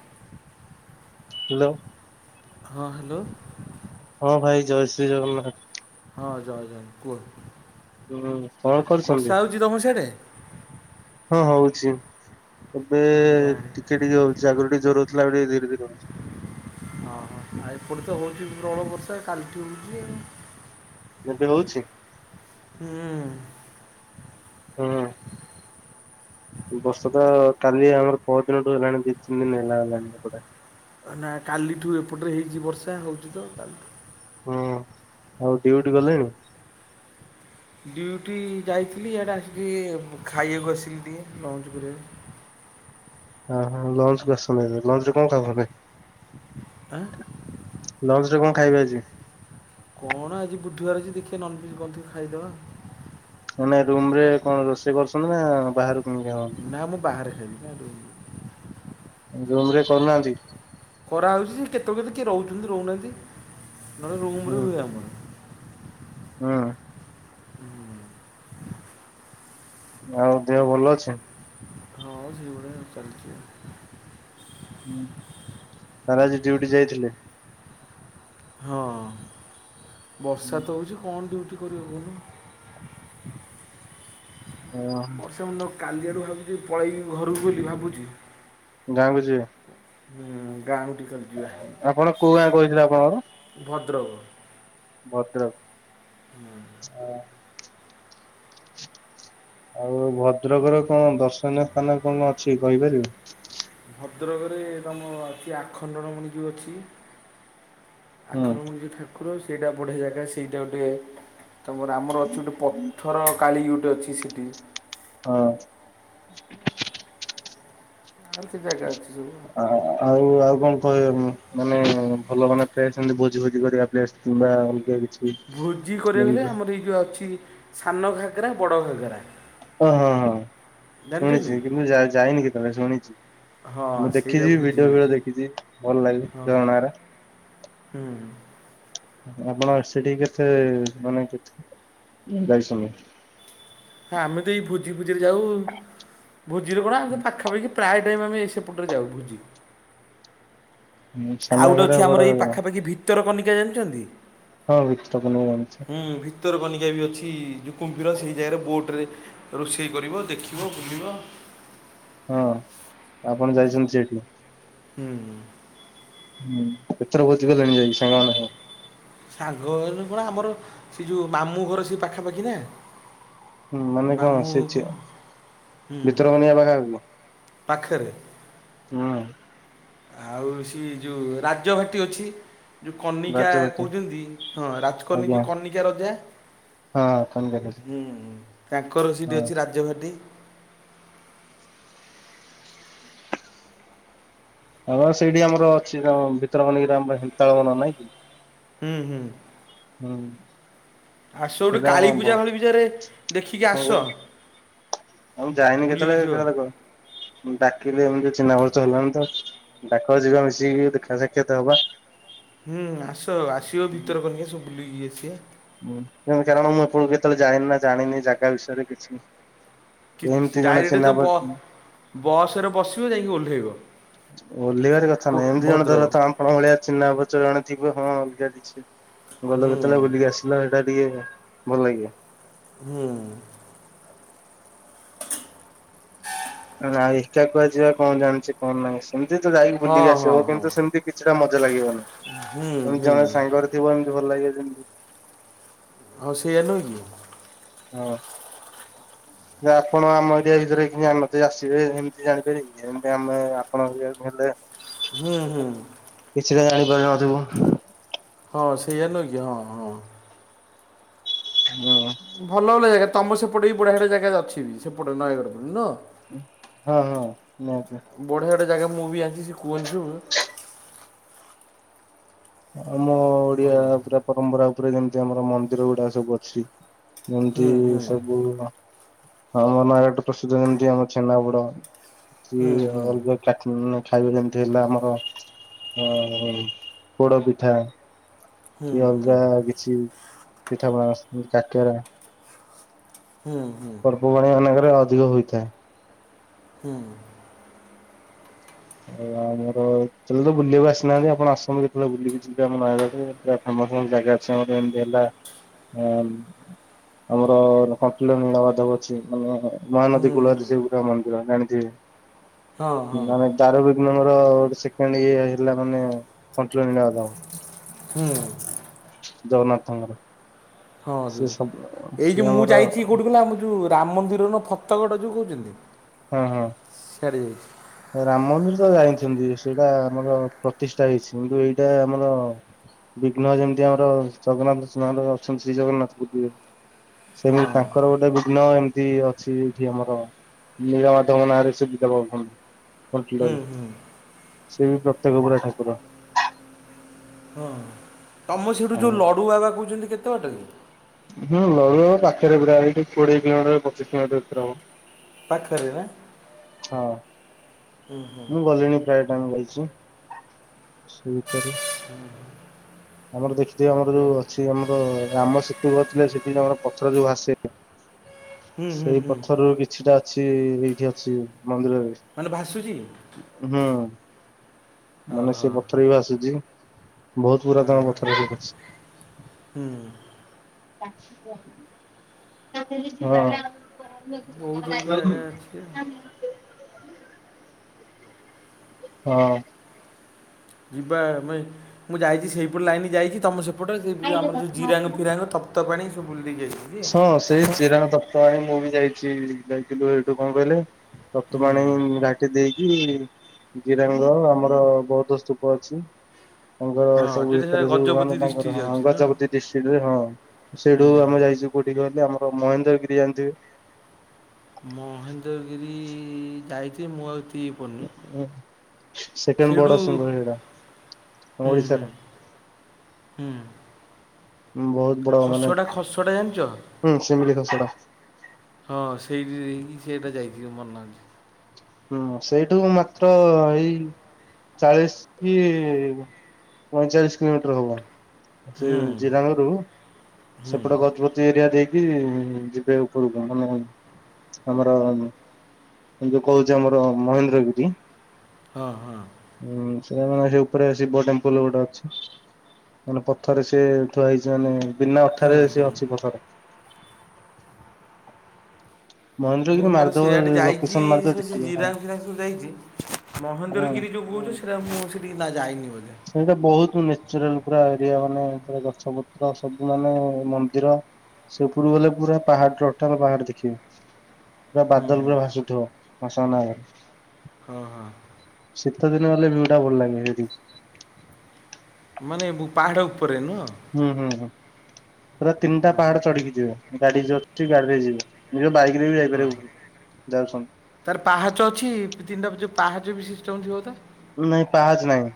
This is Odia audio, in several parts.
[inaudible] ହ୍ୟାଲୋ। ହଁ ହ୍ୟାଲୋ। ହଁ ଭାଇ ଜୟ ଶ୍ରୀ ଜଗନ୍ନାଥ। ହଁ ଜୟେ ଜଗନା କୁହ? ହୁଁ କଣ କରୁଛନ୍ତି? ବର୍ଷା ହେଉଛି ତମ ସିଆଡ଼େ ହଁ ହଉଛି ଏବେ ହଁ ଇଆଡ଼େ ଟିକେ ଟିକେ ହଉ ସେ ଆଗରୁ ଟିକେ ଜୋରେ ହଉଥିଲା ଏବେ ଟିକେ ଧୀରେ ଧୀରେ ହଉଛି। ଓହୋ ଆଉ ଏପଟେ ତ ହଉଛି ପ୍ରବଳ ବର୍ଷା କାଲିଠୁ ହଉଛି ଆଉ। ଏବେ ହଉଛି? ହୁଁ। ହୁଁ। ଏ ବର୍ଷ କ କାଲି ଆମର ପର ଦିନଠୁ ହେଲାଣି ଦି ତିନି ଦିନି ହେଲା ହେଲାଣି ରୋଗଟା। ନା କାଲିଠୁ ଏପଟରେ ହେଇଛି ବର୍ଷା ହଉଛି ତ କାଲିଠୁ। ହଁ ଆଉ ଡିଉଟି ଗଲେଣି? ଡିଉଟି ଯାଇଥିଲି ଇଆଡେ ଆସିକି ବ ଖାଇବାକୁ ଆସିଲି ଟିକେ ଲଞ୍ଚ କରିବାକୁ। ଓହୋ ଲଞ୍ଚକୁୁ ଆସଛନ୍ତି ଲଞ୍ଚ ରେ କଣ ଖାଉଛନ୍ତି? ଆଁ? ଲଞ୍ଚ ରେ କଣ ଖାଇବେ ଆଜି? କଣ ଆଜି ବୁଧବାର ଅଛି ଦେଖିବା ନନଭେଜ୍ କଣ ଥିବ ଖାଇଦବା। ନାଇଁ ରୁମ୍ ରେ କଣ ରୋଷେଇ କରୁଛନ୍ତି ନା ବାହାରୁ କିଣିକି ଖାଇ ଦିଅନ୍ତି? ନା ମୁଁ ବାହାରେ ଖାଇବି ନା ରୁମରେ। ରୁମ ରେ କରୁ ନାହାଁନ୍ତି? କରାହଉଛି କେତେବେଳେ କେମିତି କିଏ ରହୁଛନ୍ତି ରହୁନାହାଁନ୍ତି ନହେଲେ ରୁମୁ ହୁଁ ହୁଏ ଆମର। ହୁଁ। ହୁଁ। ଆଉ ଦେହ ଭଲ ଅଛି? ହଁ ସେଇଭଳିଆ ଚାଲିଚି ଆଉ। ହୁଁ ତାହାଲେ ଆଜି ଡିଉଟି ଯାଇଥିଲେ? ହଁ ବର୍ଷା ତ ହେଉଛି କଣ ଡ୍ୟୁଟି କରିବ କହୁନ। ଓହୋ ବର୍ଷେ ମୁଣ୍ଡ କାଲିଆଡ଼ୁ ଭାବୁଛି ପଳେଇବି ଘରୁକୁ ବୋଲି ଭାବୁଛି। ଗାଁ କୁ ଯିବେ? ଉଁ ଗାଁ କୁ ଟିକଲି। ଆପଣ କୋଉ ଗାଁ କହୁଥିଲେ ଆପଣଙ୍କର? ଭଦ୍ରକ। ଭଦ୍ରକ୍। ହୁଁ। ହଁ। ଆଉ ଭଦ୍ରକର କଣ ଦର୍ଶନୀୟ ସ୍ଥାନ କଣ ଅଛି କହିପାରିବୁ? ଭଦ୍ରକରେ ତମ ଆଛି ଆଖଣ୍ଡଳ ମଣି ଯେଉଁ ଅଛି। ହୁଁ ଆଖଣ୍ଡଳମଣି ଯଉ ଠାକୁର ସେଇଟା ବଢିଆ ଜାଗା ସେଇଟା ଗୋଟେ ତା ପରେ ଆମର ଅଛି ଗୋଟେ ପଥର କାଳି ଗୋଟେ ଅଛି ସେଇଠି। ହଁ। ଆଉ ସେ ଜାଗା ଅଛି ସବୁ। ଆଉ ଆଉ କଣ କହ ମାନେ ଭଲ ମାନେ ପ୍ଲେସ ସେମିତି ଭୋଜି ଫୋଜି କରିବା ପ୍ଲେସ କିମ୍ବା ଅଲଗା କିଛି? ଭୋଜି କରିବାକୁ ହେଲେ ଯେମିତି ଆମର ଏଇ ଯେଉଁ ଅଛି ସାନ ଘାଗରା ବଡ଼ ଘାଗରା। ଓ ହଁ ହ ଜାଣିଛନ୍ତି ଶୁଣିଛି କିନ୍ତୁ ଯାଇ ଯାଇନି କେତେବେଳେ ଶୁଣିଛି। ହଁ ମୁଁ ସେଇଟା ଦେଖିଛିି ଭୋଜି ଭିଡିଓ ଫିଡିଓ ଭୋଜି ଦେଖିଛିି ଭଲ ଲାଗେ ଝରଣା ହଁ ରା। ହୁଁ। ଆପଣ ସେଠିକି କେତେ ମାନେ କେତେ ଯାଇସନି। ହ ଆମେ ତ ଏଇ ଭୋଜି ଫୋଜିରେ ଯାଉ। ଭୋଜିରେ କଣ ଆମେ ସବୁ ପାଖାପାଖି ପ୍ରାୟ ଟାଇମ୍ ଆମେ ସେପଟରେ ଯାଉ ଭୁଜି। ସାନ ଆଉ ଗୋଟେ ଘାଗରା ଅଛି ବଡ ଆମର ଏଇ ଘାଗରା ପାଖାପାଖି ଭିତରକନିକା ଜାଣିଛନ୍ତି? ହଁ ଭିତରକନିକା ଜାଣିଛି। ହୁଁ ଭିତରକନିକା ବି ଅଛି କୁମ୍ଭିର ସେହି ଜାଗାରେ ବୋଟ ରେ ରୋଷେଇ କରିବ ଦେଖିବ ବୁଲିବ। ହଁ ଆପଣ ଯାଇଛନ୍ତି ସେଠି? ହୁଁ ଉଁ। ହୁଁ କେଥର ଭୋଜି କଲେଣି ଯାଇ ସାଙ୍ଗ ମନ ସହ? ସାଙ୍ଗ ଆମର କଣ ସେ ଯୋଉ ମାମୁଁ ଘର ସେ ପାଖାପାଖି ନା। ହୁଁ ମାନେ କଣ ମାମୁଁ ସେଛି ହୁଁ ଭିତରକନିକା ପାଖା ପାଖି? ପାଖରେ। ହୁଁ। ଆଉ ସେ ଯୋଉ ରାଜଭାଟି ଅଛି। ଯୋଉ କନିକା ରାଜବାଟୀ କହୁଛନ୍ତି ହଁ ରାଜକନି ଆଜ୍ଞା ଯୋଉ କନିକା ରଜା ହଁ [unintelligible] ହୁଁ ତାଙ୍କର ସେଇଠି ହଁ ଅଛି ରାଜଭାଟି। ହଁପା ସେଇଠି ଆମର ଅଛି ଯୋଉ ଭିତର କନିକା ଆମର ହେନ୍ତାଳ ବନ ନାଇଁ କି। ହୁଁ ହୁଁ। ହୁଁ। ଆସ ଗୋଠେ ସେଇଟା ଆମ କାଳୀପୂଜା ଭାଳି ପୂଜାରେ ଦେଖିକି ଆସ। ଆଉଁ ଯାଇନି ବୁଲିକି ଯିବ କେତେବେଳେ କ ଡାକିଲି ଏମିତି ଚିହ୍ନା ପରିଚୟ ହେଲାଣି ତ। ଡାକ ଯିବା ମିଶିକି ଦେଖିବା ସାକ୍ଷାତ ହବା। ହୁଁ ଆସ ଆସିବ ଭିତର କନିକା ସବୁ ବୁଲିକି ଆସିଵା। ହୁଁ କାରଣ ମୁଁ ଆପଣଙ୍କୁ କେତେବେଳେ ଜାଏନା ଜାଣିନି ଜାଗା ବିଷୟରେ କିଛି। ଏମତି ଜଣେ ଚିହ୍ନା ପ ବସ୍ ରେ ବସିବ ଯାଇକି ଓହ୍ଲାଇବ। ଓହ୍ଲିବାର କଥା ନାହିଁ ଏମିତି ଜଣେ ଧର ତ ଆପଣ ଭଳିଆ ଚିହ୍ନା ପରିଚୟ ଜଣେ ଥିବା ହଁ ଅଲଗାକିଛି। ଗଲ ହୁଁ କତେ ବେଳେ ବୁଲିକି ଆସିଲ ସେଇଟା ଟିକେ ଭଲ ଲାଗେ। ହୁଁ। [unintelligible] [unintelligible] ଏକା କୁହାଯିବା କଣ ଜାଣିଛି। ହଁ ନାଇଁ ସେମିତି ତ ଯାଇକି ହଁ ବୁଲିକି ଆସି ହଁ ହେବ ହଁ କିନ୍ତୁ ସେମିତି କିଛିଟା ମଜା ଲାଗିବନି। ହୁଁ କା ହୁଁ। ସାଙ୍ଗରେ ଥିବ ଏମିତି ଭଲ ଲାଗିବ ଯେମିତି। ହଁ ସେଇଆ ନୁହେଁ କି। ହଁ ଯେ ଆପଣ ଆମ ଏରିଆ ବିଷୟରେ କିଛି ଜାଣିନଥିବେ ଆସିବେ ଏମିତି ଜାଣିପାରିବେ କି। ଯେମତି ଆମେ ଆପଣଙ୍କ ଏରିଆ କୁ ଗଲେ। ହୁଁ ହୁଁ। କିଛିଟା ଜାଣିପାରିନଥିବୁ। ହଁ ସେଇଆ ନୁହଁ କି ହଁ ହଁ। ହୁଁ। ଭଲ ଭଲ ଜାଗା ତମ ସେପଟେ ବି ବଢିଆ ବଢିଆ ଜାଗା ଅଛି ବି ସେପଟେ ନୟାଗଡ଼ ନୁହଁ? ଉଁ ହଁ ହଁ ନିହାତି। ବଢ଼ିଆ ବଢି଼ଆ ଜାଗା ମୁଁ ବି ଜାଣିଛି ସେ କୁହନ୍ତି ସବୁ। ଆମ ଓଡିଆ ଭଲ ପୁରା ପରମ୍ପରା ଉପରେ ଯେମିତି ଆମର ମନ୍ଦିର ଗୁଡା ସବୁ ଅଛି। ଯେମିତି ହୁଁ ହୁଁ ସବୁ। ଆମ ନାୟାଗଡ ପ୍ରସିଦ୍ଧ ଯେମିତି ଆମ ଛେନାପୋଡ କି ହୁଁ ହୁଁ ଅଲଗା ଚାଖିନି ନାଇ ଖାଇବେ ଯେମିତି ହେଲେ ଆମର ଅ ପୋଡ ପିଠା କି ଅଲଗା କିଛି ପିଠା ପଣା କାକେରା। ହୁଁ ହୁଁ। ବୋଉ ମାନେ ମନା କରେ ଅଧିକ ହୋଇଥା ହୁଁ। ଆଉ ଆମର କେତବେଳେ ତ ବୁଲିବାକୁ ଆସିନାହାନ୍ତି ଆପଣ ଆସନ୍ତୁ କେତେବେଳେ ବୁଲିକି ଯିବେ ଆମ ନୟାଗଡ଼ରେ। ଫେମସ ଫେମସ ଜାଗା ଅଛି ଆମର ଯେମତି ହେଲା ଆ ଆମର କଣ୍ଟିଲୋ ନିଳମଧବ ଅଛି ମାନେ। ମହାନଦୀ ହୁଁ ହୁଁ କୂଳରେ ସେ ପୁରା ମନ୍ଦିର ହଁ ଜାଣିଥିବେ ହଁ ମାନେ। ଦାରୁ ବିଘ୍ନଙ୍କର ସେକେଣ୍ଡ ଇଏ ହେଲା କଣ୍ଟିଲୋ ନିଳମାଧବ। ହୁଁ। ଜଗନ୍ନାଥ ଙ୍କର। ହଁ ଜିଦି ଏଇ ସିଏ କି ମୁଁ ଆମର ଯାଇଛି କୋଉଠି କହିଲ ଆମ ଯୋଉ ରାମ ମନ୍ଦିର ନୁହଁ ଫତେଗଡ଼ ଯୋଉ କହୁଛନ୍ତି। ହଁ ହଁ। ସିଆଡ଼େ ଯାଇଛି ରାମ ମନ୍ଦିର ତ ଜାଇଛନ୍ତି ସେଇଟା ଆମର ପ୍ରତିଷ୍ଠା ହେଇଛି କିନ୍ତୁ ଏଇଟା ଆମର। ବିଘ୍ନ ଯେମିତି ଆମର ଜଗନ୍ନାଥ ଶ୍ରୀମନ୍ଦିର ରେ ଅଛନ୍ତି ଶ୍ରୀ ଜଗନ୍ନାଥ ପୁରୀରେ। ହଁ ସେମିତି ତାଙ୍କର ଗୋଟେ ବିଘ୍ନ ଏମିତି ଅଛି ଏଇଠି ଆମର। ନିଳ ମାଧବ ନାରେ ସେ ପୁଜା ପାଉଛନ୍ତି। କଣ୍ଟିଲୋ ହୁଁ ରେ ହୁଁ ସେ ବି ପ୍ରତ୍ୟେକ୍ଷ ପୁରା ଠାକୁର। ହଁ ତମ ସେଠୁ ଯୋଉ ଲଡୁ ବାବା କହୁଛନ୍ତି କେତେ ବାଟେ କି? ହୁଁ ଲଡୁ ବାବା ପାଖରେ ପୁରା ଏଇଠୁ କୋଡିଏ କିଲୋମିଟର ପଚିଶି କିଲୋମିଟର ଭିତରେ ହବ। ପାଖରେ ବା। ହଁ ହୁଁ ମୁଁ ଗଲିଣି। ପ୍ରାଏ ଟାଇମ୍ ମୁଁ ଜାଇଛି ସେ ଭିତେରେ। ଆମର ଦେଖି ଥିବେ ଆମର ଯୋଉ ଅଛି। ସେଠି ଆମର ରାମ ସେତୁ ନଥିଲେ ସେଠି ଆମର ପଥର ଯୋଉ ଭାସେ। ହୁଁ ହୁଁ ସେଇ ହୁଁ ପଥରରୁ କିଛିଟା ଅଛି ଏଇଠି ଅଛି ମନ୍ଦିରରେ। ମାନେ ଭାସୁଛି। ଉଁ ହୁଁ। ମାନେ ସେ ଓହୋ ପଥର ବି ଆସୁଛି ବହୁତ ପୁରା ହଁ ତମ ହଁ ପଥର ହୁଁ ବହୁତ ବହୁତ ଜାଗା ଅଛି ଆଉ [unintelligible] ହଁ ଯିବା ମୁଁ ଯାଇଛି ସେହିପଟେ ଲାଇନ ଯାଇଛି ତୁମ ସେପଟେ ସେ ଯେଉଁ ଆମର ଯେଉଁ ଜିରାଙ୍ଗ ଫିରାଙ୍ଗ ତ ତତ ପାଣିଁ ସେ ଭୁଲ ଦ ଯାଇଛି। ଯେ ହଁ ସେଇ ଚିରାଣ ଦତ୍ତ ଆଣ ମୁଁ ବି ଯାଇଛି ଲାଗିଲୁ ଏଇଠୁ କଣ କହିଲେ। ତପ୍ତ ହୁଁ ପାଣି। ସେଠ ଦେଇକି ଗିରାଙ୍ଗ ଆମର ବହୁତ ସ୍ତୂପ ଅଛି। ତାଙ୍କର ହଁ ସବୁ ଯେଉଁଟା ସେଟା ଭିତରେ ସବୁ ମାନେ ଗଜପତି ତାଙ୍କର ଡିଷ୍ଟ୍ରିକ୍ଟ ହଁ ଯାଉଛି ନା ଗଜପତି ଡିଷ୍ଟ୍ରିକ୍ଟ ରେ ହଁ ସେଇଠୁ ହୁଁ ଆମେ ଯାଇଛୁ କୋଉଠିକି ଆମର ମହେନ୍ଦ୍ର ଗିରି ଜାଣିଥିବେ। ମହେନ୍ଦ୍ରଗିରି ଯାଇଛି ମୁଁ ଆଉ ଏତିକି ପଡ଼ିନି ସେକେଣ୍ଡ ସେଇଠୁ ବର୍ଡ ଆସ ସେଟା ହୁଁ ହୁଁ ଓଡିଶାର ହୁଁ ବହୁତ ବଡ ମାନେ ଖସଡ଼ା ଖସଡ଼ା ଜାଣିଛ ହୁଁ ସେମଳିଥା ସେଟା ହଁ ସେଇଠି ଯକି ସେଇଟା ଯାଇଥିବି ମନଉଛି। ହୁଁ ସେଇଠୁ ମାତ୍ର ଏଇ ଚାଳିଶ। ପଇଁଚାଳିଶ କିଲୋମିଟର ହବ ସେ ହୁଁ ଜଲାନରୁ ହୁଁ ସେପଟେ ଗଜପତି ଏରିଆ ଦେଇକି ଯିବେ ଉପରକୁ ମାନେ ଆମର ଯୋଉ କହୁଛି ଆମର ମହେନ୍ଦ୍ରଗିରି। ହଁ ହଁ ହୁଁ ସେଟା ମେ ସେ ଉପରେ ଆସିବେମ୍ପଲ ଗୋଟେ ଅଛି। ମାନେ ପଥର ସିଏ ଥୁଆ ହେଇଛି ମାନେ ବିନା ହୁଁ ଅଥାରେ ହୁଁ ସେ ଅଛି ପଥର। ମୁଁ ମହେନ୍ଦ୍ରଗିରି ମୋର ମାରିଦବ ସେଆଡ଼େ ଯାଇଛି ଲୋକେସନ ମାରିଦବ ସେ ସେ ଦେଖିବ ହଁ ଜିରାଙ୍ଗ ଫିରାଙ୍ଗ ସବୁ ଯାଇଛି। ହଁ। ମହେନ୍ଦ୍ରଗିରି ଯୋଉ କହୁଛ ସେଟା ମୁଁ ସେଠି ଯାଇନି ବୋଧେ। ସେଇଟା ବହୁତ ନେଚୁରାଲ ପୁର ଏରିଆ ମାନେ ଗଛ ପତ୍ର ସବୁ ମାନେ ମନ୍ଦିର। ସେ ପୁରକୁ ଗଲେ ପୁରା ପାହାଡ ଟୋଟାଲ ପାହାଡ ଦେଖିବେ। ପୁରା ହୁଁ ବାଦଲ ହୁଁ ପୁରା ଭାସୁଥିବ ଭସ ନା ହଁ ହଁ ଶୀତ ଦିନ ହେଲେ ଭିଉ ଟା ଭଲଲାଗେ ସେଠି। ମାନେ ମୁ ପାହାଡ ଉପରେ ନୁହ। ହୁଁ ହୁଁ ହୁଁ ପୁରା ତିନିଟା ହଁ ପାହାଡ ଚଢିକି ଯିବେ ଗାଡି ଯୋ ଅଛି ଗାଡିରେ ଯିବେ। ନିଜ ବାଇକ ରେ ବି ହଁ ହଁ ଯାଇପାରିବ ଯାଉଛ। ତାର ପାହାଚ ଅଛି ତିନିଟା ପାହାଚ ବି ସିଷ୍ଟମ ଥିବ ତ। ନାଇଁ ପାହାଚ ନାହିଁ।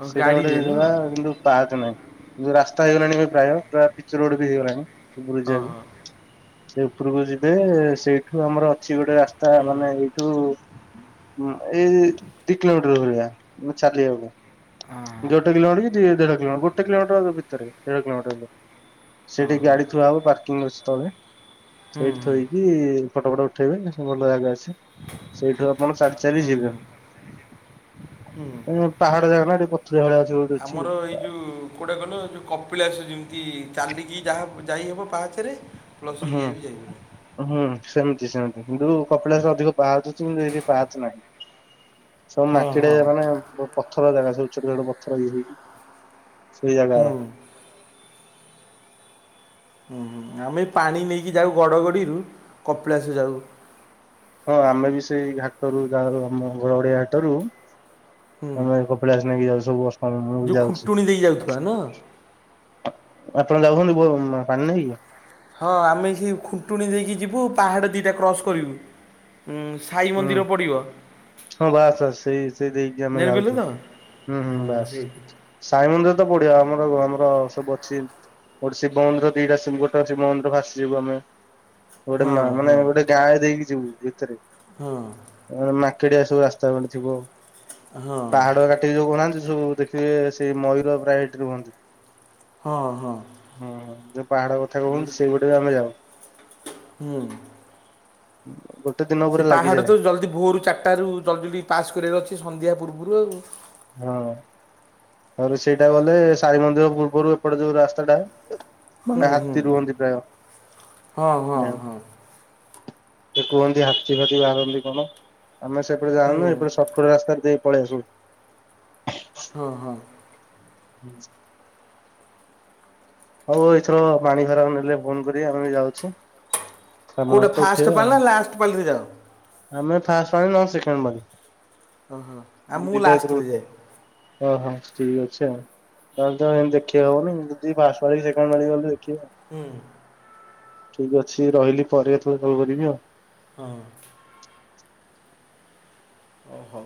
ଓ ସେଇଟା ଗୋଟେ ଗାଡ଼ିରେ ଜାଗା ନୁହଁ କିନ୍ତୁ ପାହାଚ ନାହିଁ ଯୋଉ ରାସ୍ତା ହେଇଗଲାଣି ଏ ପ୍ରାୟ ପୁର ପିଚ ରୋଡ ବି ହେଇଗଲାଣି। ଉପରୁ ହଁ ହଁ ଯବେ ସେ ଉପରକୁ ଯିବେ ସେଇଠୁ ଆମର ଅଛି ଗୋଟେ ରାସ୍ତା। ତା ମାନେ ଏଇଠୁ ଏଇ ଦି କିଲୋମିଟର ଭଳିଆ ମାନେ ଚାଲିିବାକୁ। ହଁ ଗୋେ କିଲୋମିଟର ଦ ଦେଢ କିଲୋଟ ଗୋେ କିଲୋମିଟର ଭିତ ଦେଢ଼ିଲୋମିଟର। ହଁ ସେଠିକି ହଁ ଗାଡିଥୁଆ ହବ ପାର୍କିଂ ଅଛି ତଳେ ହୁଁ ସେଇଠି ହୁଁ ଥୋଇକି ଫଟୋ ଫଟ ଉଠେଇବେ ସବୁ ଭଲ ଜାଗା ଅଛି ସେଇଠୁ ଆପଣ ଚାଲି ହୁଁ ହୁଁ ଯିବେ ହୁଁ ପାହାଡ ଜାଗା ନା ସେଠୀ ପଥ ଯାଗା ଗୋଟେ ଅଛି। ଆମର ଏଇ ଯୋଉ କେଉଟା କହିଲ ଯେଉଁ କପିଳାସ ଯେମିତି ଚାଲିକି ଯାହା ଯାଇହବ ପାହାଚରେ ପ୍ଲସ୍ ହୁଁ। ଇଏ ବି ଯାଇପାରିବ ହୁଁ ସେମିତି ସେମିତି କିନ୍ତୁ କପିଳାସରେ ଅଧିକ ପାହାଚ ଅଛି କିନ୍ତୁ ଏଠି ପାହଚ ନାହିଁ। ସବୁ ହଁ ମାଟିଟେ ମାନେ ହଁ ବୁ ପଥର ଜାଗା ସେ ଛୋଟ ଛୋଟ ପଥର ଇଏ ହେଇଚି ସେଇ ଜାଗାର। ହୁଁ ହୁଁ ଆମେ ପାଣି ନେଇକି ଯାଉ ଗଡ଼ଗଡ଼ିରୁ କପିଳାସ ଯାଉ। ହଁ ଆମେ ବି ସେଇ ଘାଟରୁ ଯାଉ ଆମ ଘରଡିଆ ଘାଟରୁ ହୁଁ ଆମେ କ ପଲାସ ନେଇକି ଯାଉଚି ସବୁ [inaudible] ମୁଁ ଯେଉଁ ଯାଉଚି। ଖୁଣ୍ଟୁଣି ଦେଇକି ଯାଉଥିବା ନା ଅ ଆପଣ ଯାଉଚନ୍ତି ପାଣି ନେଇକି? ହଁ ଆମେ ସେ ଖୁଣ୍ଟୁଣି ଦେଇକି ଯିବୁ ପାହାଡ଼ ଦିଇଟା କ୍ରସ୍ କରିବୁ। ହୁଁ ସାଇ ହୁଁ ମନ୍ଦିର ପଡ଼ିବ। ହଁ ବାସ୍ ବାସ ସେଇ ସେଇ ଦେଇକି ଆମେ ଜାଣିପାରିଲେ ଯାଉଚୁ ତ ହୁଁ ହୁଁ ହଁ ବାସ୍। ସେଇଠି ସାଇ ମନ୍ଦିର ତ ବଢିଆ ଆମର ଆମର ସବୁ ଅଛି। ଗୋଟେ ଶିବ ମନ୍ଦିର ଦିଟା ଶିବ ଗୋଟ ଅଛ ମନ୍ଦିର ଭାସିଯିବୁ ଆମେ। ଗୋଟେ ହଁ ମା ହଁ ମାନେ ଗୋଟେ ଗାଁ ଦେଇକି ଯିବୁ ଭିତରେ। ହୁଁ। ଅ ମାକେଡିଆ ସବୁ ରାସ୍ତା ପଟେ ଥିବ। ହଁ ପାହାଡ କା ସେଠି ଯୋଉନାହାନ୍ତି ସବୁ ଦେଖିବେ ସେଇ ମୟୂର ପ୍ରାୟ ଏଇଠି ରୁହନ୍ତି। ହଁ ହଁ। ହୁଁ ହୁଁ ଯୋଉ ପାହାଡ କଥା କୁହନ୍ତୁ ସେଇ ଗୋଟେ ବି ଆମେ ଯାଉ। ହୁଁ ଗୋଟେ ଦିନ ସେ ଉପରେ ପାହାଡ଼ ଲାଗିଯାଏ। ତ ଜଲ୍ଦି ଭୋରରୁ ଚାରିଟାରୁ ଜଲ୍ଦ ଜଲି ପାସ୍ କରିବାର ଅଛି ସନ୍ଧ୍ୟା ପୂର୍ବରୁ ଆଉ। ହଁ ତାରେ ସେଇଟା ଗଲେ ସାଇ ମନ୍ଦିର ପୂର୍ବରୁ ଏପଟେ ଯୋଉ ରାସ୍ତା ଟା ହୁଁ ମାନେ ହୁଁ ହାତୀ ରୁହନ୍ତି ପ୍ରାୟ। ହଁ ହଁ ହଁ ସେ କୁହନ୍ତି ହାତୀ ଫାତି ବାହାରନ୍ତି କଣ ଆମେ ସେପଟେ ଜାଉନୁ ହୁଁ ଏପଟେ ସଟ ପଟ ରାସ୍ତାରେ ଯାଇ ପଳଇ ଆସୁ। ହଁ ହଁ। ହୁଁ। ହଉ ଏଥର ପାଣି ଖରାପ ନେଲେ ଫୋନ କରି ଆମେ ଯାଉଚୁ। କଉଁଟା ଫାଷ୍ଟ ପାଳି ନା ଲାଷ୍ଟ ପାଳିରେ ଯାଅ? ଆମେ ଫାଷ୍ଟ ପାଳି ନଲେ ସେକେଣ୍ଡ ପାଳି। ଓହୋ ଆଉ ମୁଁ ଲାଷ୍ଟରେ ଗୋଟେ। ଯାଏ। ଓହୋ ଠିକ ଅଛ ଆଉ। ତାହେଲେ ତମ ଦେଖେଇ ହବନି। କିନ୍ତୁ ଦି ମାସ [unintelligible] ଗଲେ ଦେଖିବ। ହୁଁ। ଠିକ୍ ଅଛି ରହିଲି ପରେ ଏତବେଳେ କଲ କରିବି ଆଉ। ହଁ। ଓହ।